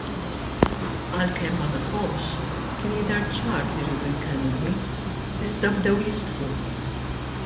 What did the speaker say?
Għalkemm ma nafhomx kien jidher ċar li riedu jkellmuni iżda bdew jistħu.